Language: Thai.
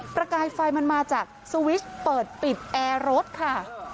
ประกายไฟมันมาจากสวิชเปิดปิดแอร์รถค่ะ